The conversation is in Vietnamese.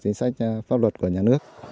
chính sách pháp luật của nhà nước